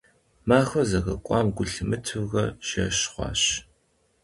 Махуэр зэрыкӀуам гу лъимытэурэ, жэщ хъуащ.